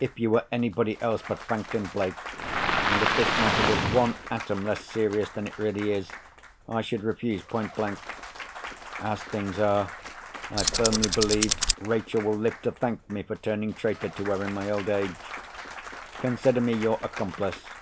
If you were anybody else but Franklin Blake, and if this matter was one atom less serious than it really is, I should refuse point blank. As things are, I firmly believe Rachel will live to thank me for turning traitor to her in my old age. Consider me your accomplice.